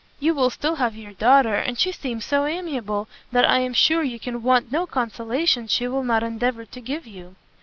"You will still have your daughter, and she seems so amiable, that I am sure you can want no consolation she will not endeavour to give you."